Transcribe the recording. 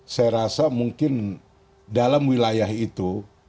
saya rasa mungkin dalam wilayah itu